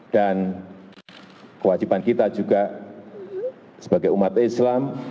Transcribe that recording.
dan kewajiban kita juga sebagai umat islam